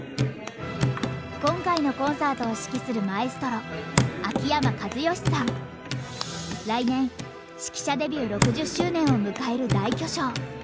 今回のコンサートを指揮する来年指揮者デビュー６０周年を迎える大巨匠。